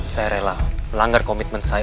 saya rela melanggar komitmen saya